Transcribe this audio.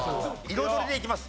彩りでいきます。